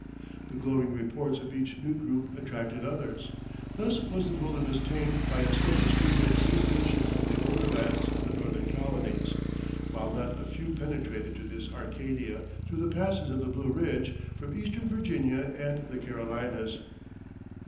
The glowing reports of each new group attracted others. Thus was the wilderness tamed by a steady stream of immigration from the older lands of the northern colonies, while not a few penetrated to this Arcadia through the passes of the Blue Ridge, from eastern Virginia and the Carolinas.